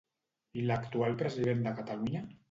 I l'actual president de Catalunya?